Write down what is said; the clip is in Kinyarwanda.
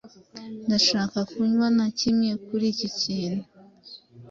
Ndashaka kunywa na kimwe kuri iki kintu.